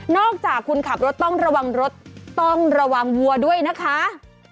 อกจากคุณขับรถต้องระวังรถต้องระวังวัวด้วยนะคะ